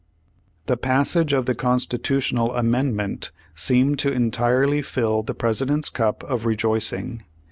The passage of the Constitutional Amendment seemed to entirely fill the President's cup of rejoicing.